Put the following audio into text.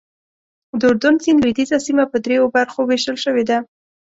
د اردن سیند لوېدیځه سیمه په دریو برخو ویشل شوې ده.